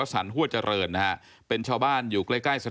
ตกลงไปจากรถไฟได้ยังไงสอบถามแล้วแต่ลูกชายก็ยังไง